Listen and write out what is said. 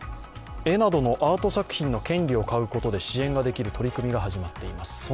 絵などのアート作品の権利を買うことで支援ができる取り組みが始まっています。